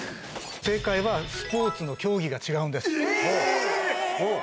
正解は、スポーツの競技が違えー！